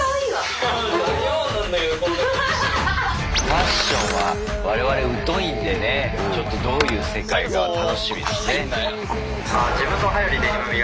ファッションは我々疎いんでねちょっとどういう世界か楽しみですね。